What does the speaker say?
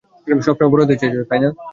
সবসময় বড় হতে চেয়েছ, তাইনা?